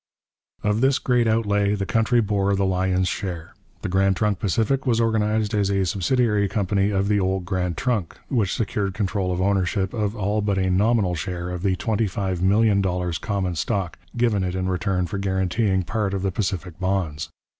Of this great outlay the country bore the lion's share. The Grand Trunk Pacific was organized as a subsidiary company of the old Grand Trunk, which secured control of ownership of all but a nominal share of the $25,000,000 common stock, given it in return for guaranteeing part of the Pacific bonds.